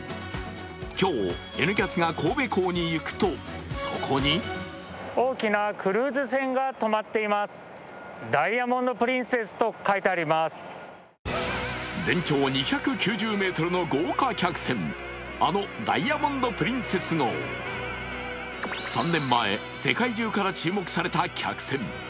今日、「Ｎキャス」が神戸港に行くと、そこに全長２９０ｍの豪華客船、あの「ダイヤモンド・プリンセス」号３年前、世界中から注目された客船。